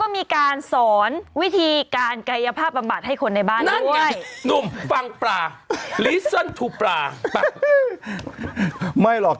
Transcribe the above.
แน่แต่จิตประญญาไม่มีหรอก